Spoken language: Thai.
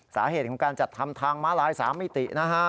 สาเหตุของการจัดทำทางม้าลาย๓มิตินะฮะ